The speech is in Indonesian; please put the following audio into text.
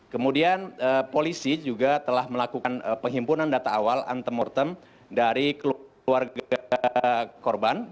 kemudian polisi juga telah melakukan penghimpunan data awal antemortem dari keluarga korban